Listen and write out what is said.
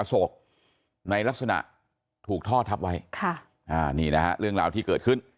โศกในลักษณะถูกท่อทับไว้นี่นะฮะเรื่องราวที่เกิดขึ้น